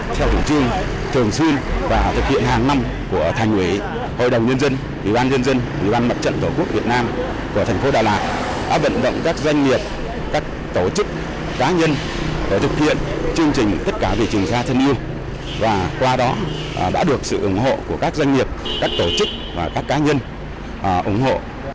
theo tổng chương thường xuyên và thực hiện hàng năm của thành án hội đồng nhân dân ủy ban nhân dân ủy ban mặt trận tổ quốc việt nam của thành phố đà lạt đã vận động các doanh nghiệp các tổ chức cá nhân để thực hiện chương trình tất cả vì trường sa thân yêu và qua đó đã được sự ủng hộ của các doanh nghiệp các tổ chức và các cá nhân ủng hộ